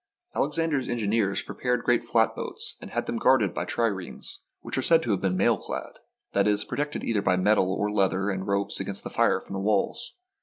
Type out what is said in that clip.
Alexander's engineers prepared great flatboats and had them guarded by triremes, which are said to have been mail clad — that is, protected either by metal or by leather and ropes against the fire from the walls.